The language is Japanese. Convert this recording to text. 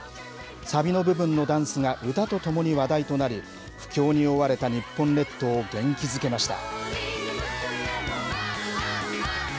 サビの部分のダンスが歌とともに話題となり、不況に覆われた日本列島を元気づけました。